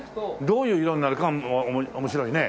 どういう色になるか面白いね。